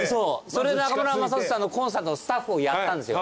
それで中村雅俊さんのコンサートのスタッフをやったんですよ。